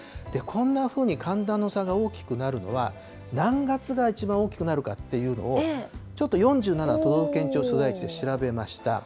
こんなふうに寒暖の差が大きくなるのは、何月が一番大きくなるかっていうのを、ちょっと４７都道府県庁所在地で調べました。